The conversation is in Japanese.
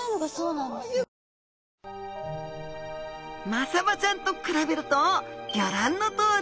マサバちゃんと比べるとギョ覧のとおり。